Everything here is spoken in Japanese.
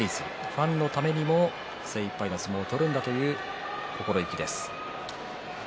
ファンのためにも精いっぱいの相撲を取るんだという心意気です。